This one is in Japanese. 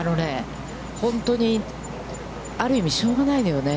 本当に、ある意味しょうがないのよね。